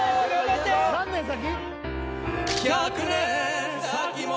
何年先？